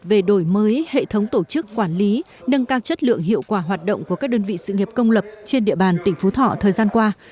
về đổi mới hệ thống tổ chức quản lý nâng cao chất lượng hiệu quả hoạt động của các đơn vị sự nghiệp công lập trên địa bàn tỉnh phú thọ thời gian qua